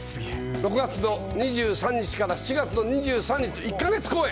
６月の２３日から７月の２３日、１か月公演。